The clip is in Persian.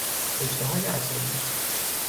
رشته های عصبی